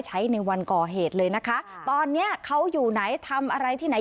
ใช้ในวันก่อเหตุเลยนะคะตอนเนี้ยเขาอยู่ไหนทำอะไรที่ไหน